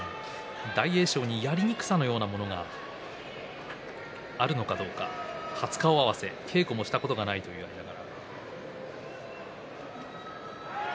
大栄翔にやりにくさもあるのかどうか初顔合わせで稽古もしたことがないと言っています。